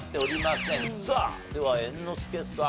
さあでは猿之助さん。